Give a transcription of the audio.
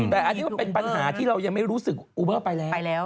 แต่อันนี้มันเป็นปัญหาที่เรายังไม่รู้สึกอูเบอร์ไปแล้ว